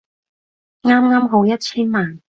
啱啱好一千萬